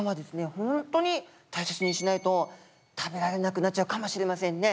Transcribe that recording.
ほんとに大切にしないと食べられなくなっちゃうかもしれませんね。